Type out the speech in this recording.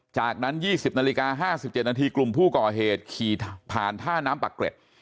จากนั้น๒๐นาฬิกา๕๗นาทีกลุ่มผู้ก่อเหตุขี่ผ่านท่าน้ำปักเกร็ด